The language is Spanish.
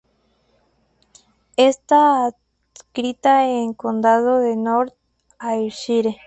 Está adscrita al condado de North Ayrshire.